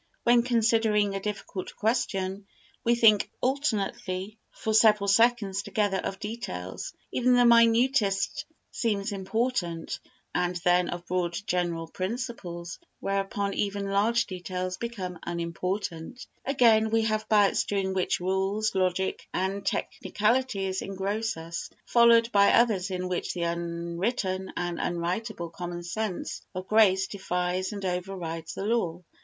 When considering a difficult question, we think alternately for several seconds together of details, even the minutest seeming important, and then of broad general principles, whereupon even large details become unimportant; again we have bouts during which rules, logic and technicalities engross us, followed by others in which the unwritten and unwritable common sense of grace defies and over rides the law.